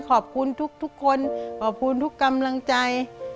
ขอบคุณทุกคนขอบคุณทุกกำลังใจ